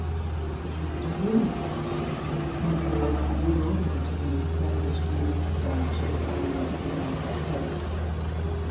It was to him that the country owed the good order which had been es tablished In this branch of the government of the United States.